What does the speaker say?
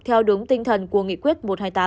theo đúng tinh thần của nghị quyết một trăm hai mươi tám